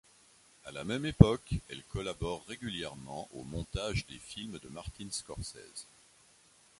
A la même époque, elle collabore régulièrement au montage des films de Martin Scorsese.